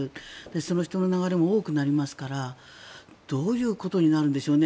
その人の流れも多くなりますからどういうことになるんでしょうね。